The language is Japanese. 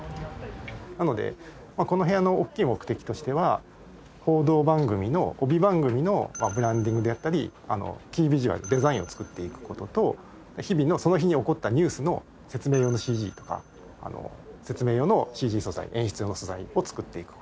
なのでこの部屋の大きい目的としては報道番組の帯番組のブランディングであったりキービジュアルデザインを作っていく事と日々のその日に起こったニュースの説明用のＣＧとか説明用のＣＧ素材演出用の素材を作っていく事。